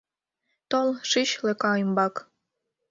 Тол, шич лӧка ӱмбак.